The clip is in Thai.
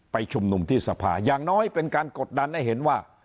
ชุมนุมที่สภาอย่างน้อยเป็นการกดดันให้เห็นว่า